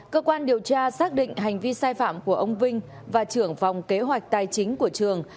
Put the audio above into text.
cơ quan điều tra xác định hành vi sai phạm của ông vinh và trưởng phòng kế hoạch tài chính của trường